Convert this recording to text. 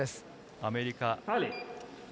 アメリカに